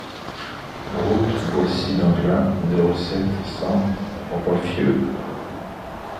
Route Boissy d'Anglas, zéro sept, cent Roiffieux